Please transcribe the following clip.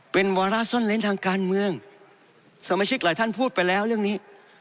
เป็นวาระซ่อนเล้นทางการเมืองสมาชิกหลายท่านพูดไปแล้วเรื่องนี้